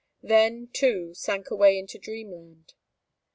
Then time, too, sank away into dreamland.